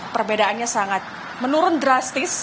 perbedaannya sangat menurun drastis